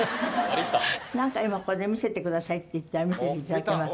なんか今ここで見せてくださいって言ったら見せて頂けます？